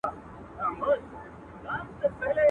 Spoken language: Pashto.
o حال د ويلو نه دئ، ځای د ښوولو نه دئ.